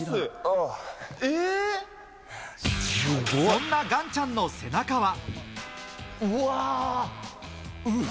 そんなガンちゃんの背中は。